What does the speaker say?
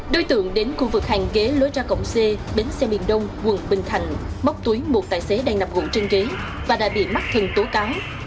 đối tượng đến khu vực hàng ghế lối ra cổng c bến xe miền đông quận bình thành móc túi một tài xế đang nằm ngủ trên ghế và đã bị mắc thần tố cáo